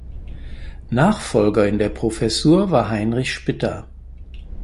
Nachfolger in der Professur war Heinrich Spitta.